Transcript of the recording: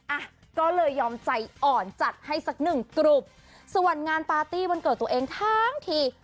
อ่ะก็เลยยอมใจอ่อนจัดให้สักหนึ่งกลุ่มส่วนงานปาร์ตี้วันเกิดตัวเองทั้งที